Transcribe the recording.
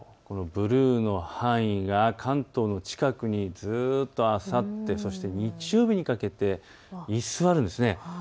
ブルーの範囲が関東の近くにずっと、あさってそして日曜日にかけて居座るんです。